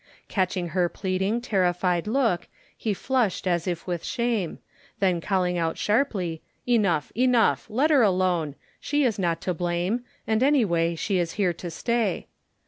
Catching her pleading terrified look he flushed as if with shame; then calling out sharply,—"Enough, enough! Let her alone. She is not to blame, and, anyway, she is here to stay."